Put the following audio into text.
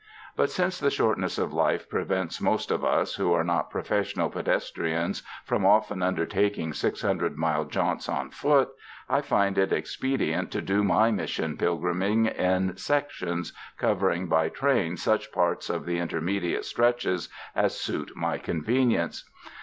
But since the shortness of life prevents most of us who are not professional pedestrians from often under taking six hundred mile jaunts on foot, I find it ex pedient to do my Mission pilgriming in sections, cov ering by train such parts of the intermediate stretches as suit my convenience.